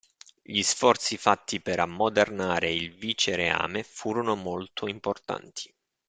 Gli sforzi fatti per ammodernare il vicereame furono molto importanti.